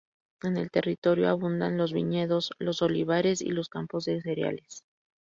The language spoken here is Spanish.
En el territorio abundan los viñedos, los olivares y los campos de cereales.